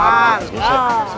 salah pak herman